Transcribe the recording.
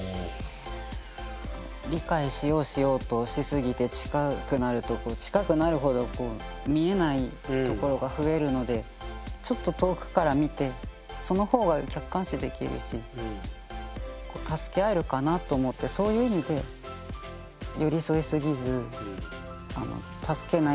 理解しようしようとしすぎて近くなると近くなるほど見えないところが増えるのでちょっと遠くから見てそのほうが客観視できるし助け合えるかなと思ってそういう意味でお互いほっておくみたいな。